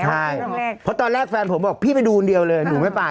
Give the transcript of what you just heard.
ใช่เพราะตอนแรกแฟนผมบอกพี่ไปดูคนเดียวเลยหนูไม่ไป